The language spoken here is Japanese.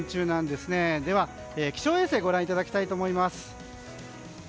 では気象衛星ご覧いただきたいと思います。